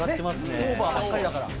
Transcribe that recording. オーバーばっかりだから。